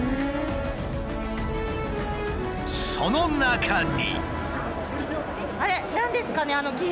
その中に。